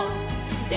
で